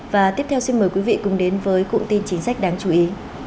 và tiếp theo xin mời quý vị cùng đến với cụm tin chính sách đáng chú ý